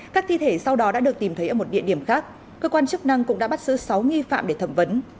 các thi thể sau đó đã được tìm thấy ở một địa điểm khác cơ quan chức năng cũng đã bắt giữ sáu nghi phạm để thẩm vấn